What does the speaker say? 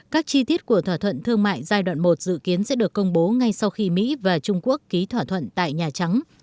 các chi tiết của thỏa thuận thương mại giai đoạn một dự kiến sẽ được công bố ngay sau khi mỹ và trung quốc ký thỏa thuận tại nhà trắng